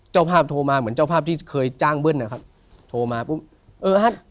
เจ้าภาพโทรมาเหมือนเจ้าภาพที่เคยจ้างเบิ้ลนะครับโทรมาปุ๊บเออฮะ